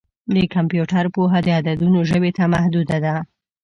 د کمپیوټر پوهه د عددونو ژبې ته محدوده ده.